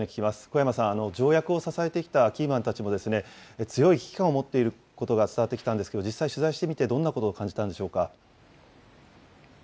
古山さん、条約を支えてきたキーマンたちも、強い危機感を持っていることが伝わってきたんですけど、実際取材してみてどんなことを感じたんでしょうか。